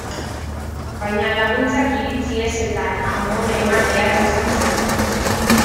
Baina laguntzak iritsi ez eta amore eman behar izan zuen.